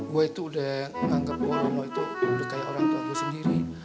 gue itu udah nganggep bau rono itu udah kayak orang tua gue sendiri